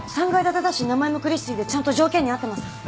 ３階建てだし名前もクリスティでちゃんと条件に合ってます。